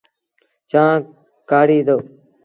چآنه ڪآڙي دو۔